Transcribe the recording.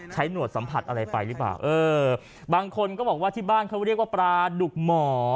หนวดสัมผัสอะไรไปหรือเปล่าเออบางคนก็บอกว่าที่บ้านเขาเรียกว่าปลาดุกหมอ